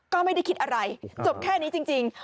ก็ไม่ได้คิดอะไรจบแค่นี้จริง